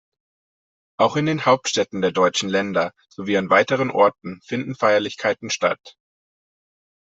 Auch in den Hauptstädten der deutschen Länder sowie an weiteren Orten finden Feierlichkeiten statt.